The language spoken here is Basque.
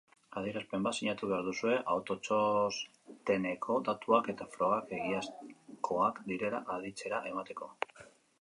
Adierazpen bat sinatu behar duzue autotxosteneko datuak eta frogak egiazkoak direla aditzera emateko.